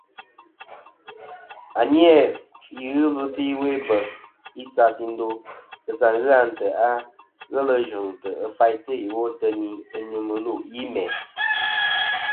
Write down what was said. À nî nà fî ghɨ ɨlvɨ ta iwo i bef ɨ isas ì ndo kèsa a ntèʼ ghelɨ yvɨ̀ŋtɨ̀ ɨ faytɨ ìwo ateyn ɨ nyvɨ mɨlûʼ yi mæ̀.